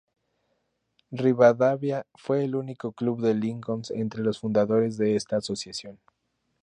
Rivadavia fue el único club de Lincoln entre los fundadores de esta asociación.